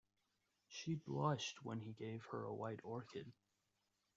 She blushed when he gave her a white orchid.